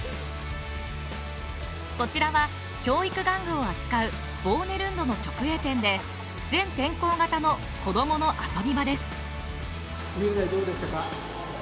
こちらは教育玩具を扱うボーネルンドの直営店で全天候型の子どもの遊び場です。